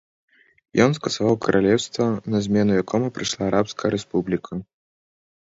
Ён скасаваў каралеўства, на змену якому прыйшла арабская рэспубліка.